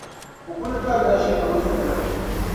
A kul dolila ʒiŋmabo soli.